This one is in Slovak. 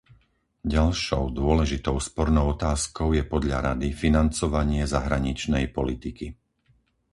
Ďalšou dôležitou spornou otázkou je podľa Rady financovanie zahraničnej politiky.